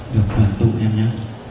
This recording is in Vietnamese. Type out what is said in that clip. được hoàn tụ em nhé